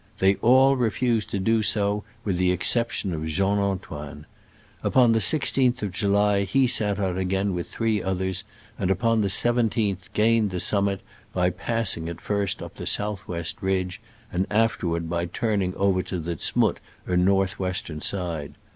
They all refused to do so, with the exception of yean Ah toine. Upon the i6th of July he set out again with three others, and upon the 17th gained the summit by passing (at first) up the south west ridge, and (after ward) by turning over to the Z'Mutt, or north west ern side.